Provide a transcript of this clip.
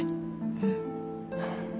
うん。